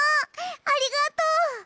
ありがとう。